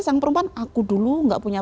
sang perempuan aku dulu gak punya